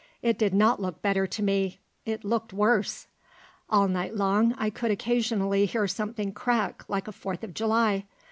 It did not look better to me. It looked worse. All night long I could occasionally hear something crack like a Fourth of July.